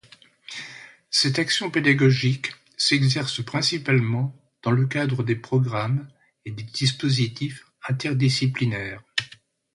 Cette action pédagogique s'exerce principalement dans le cadre des programmes et des dispositifs interdisciplinaires.